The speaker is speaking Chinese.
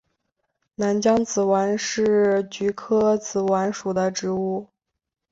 丽江紫菀是菊科紫菀属的植物。